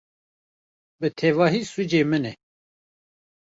Bi tevahî sûcê min e!